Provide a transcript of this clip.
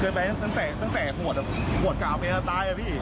เกิดไปตั้งแต่หัวเก่าไปก็ตาย